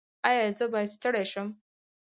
ایا زه باید ستړی شم؟